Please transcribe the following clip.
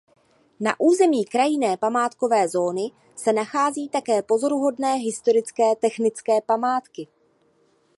Na území krajinné památkové zóny se nacházejí také pozoruhodné historické technické památky.